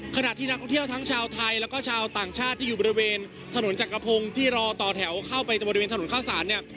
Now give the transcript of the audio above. ขณะที่นักท่องเที่ยวทั้งชาวไทยแล้วก็ชาวต่างชาติที่อยู่บริเวณถนนจักรพงศ์ที่รอต่อแถวเข้าไปบริเวณถนนข้าวสารเนี่ย